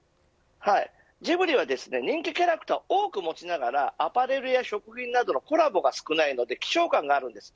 ジブリは人気キャラクターを多く持ちながらアパレルや食品などのコラボが少ないので希少感があります。